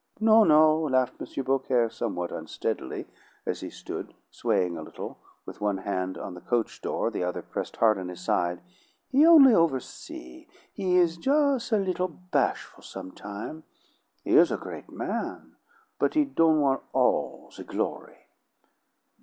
"No, no," laughed M. Beaucaire, somewhat unsteadily, as he stood, swaying a little, with one hand on the coach door, the other pressed hard on his side, "he only oversee'; he is jus' a little bashful, sometime'. He is a great man, but he don' want all the glory!"